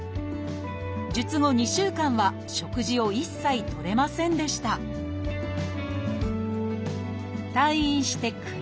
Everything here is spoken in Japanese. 術後２週間は食事を一切とれませんでした退院して９年。